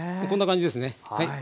こんな感じですね。